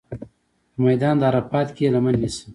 په میدان د عرصات کې لمنه نیسم.